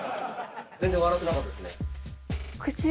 全然笑ってなかったですよ。